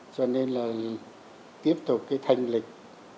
cho nên là tiếp tục cái thanh lịch